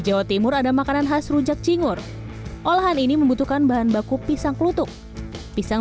kawasan ada makanan khas rujak cingur olahan ini membutuhkan bahan baku pisang klutuk pisang